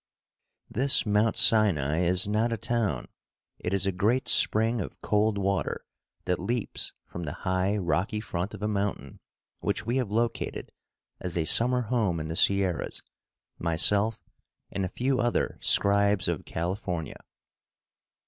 This Mount Sinai is not a town; it is a great spring of cold water that leaps from the high, rocky front of a mountain which we have located as a summer home in the Sierras myself and a few other scribes of California.